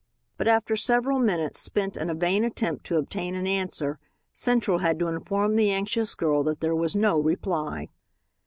But after several minutes spent in a vain attempt to obtain an answer Central had to inform the anxious girl that there was no reply.